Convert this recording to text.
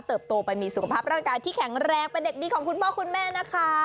โตไปมีสุขภาพร่างกายที่แข็งแรงเป็นเด็กดีของคุณพ่อคุณแม่นะคะ